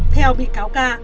theo bị cáo ca